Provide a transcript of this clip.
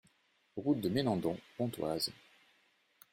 Route de Ménandon, Pontoise